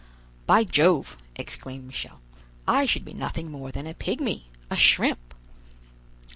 "By Jove!" exclaimed Michel; "I should be nothing more than a pigmy, a shrimp!"